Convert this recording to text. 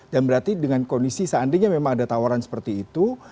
dan berarti dengan kondisi seandainya memang ada tawaran seperti itu